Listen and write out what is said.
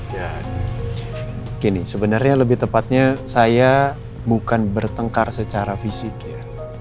ya gini sebenarnya lebih tepatnya saya bukan bertengkar secara fisik ya